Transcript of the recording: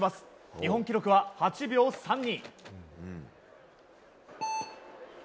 日本記録は８秒３２。